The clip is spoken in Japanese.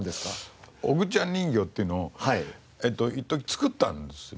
ＯＧＵちゃん人形っていうのをいっとき作ったんですよね。